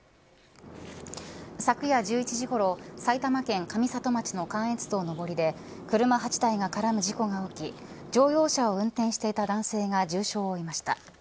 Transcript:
昨夜１１時ごろ埼玉県上里町の関越道上りで車８台が絡む事故が起き乗用車を運転してた男性が重傷を負いました。